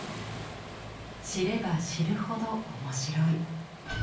知れば知るほど面白い。